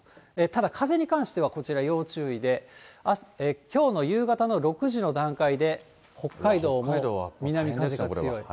ただ、風に関してはこちら、要注意で、きょうの夕方の６時の段階で、北海道も南風が強い。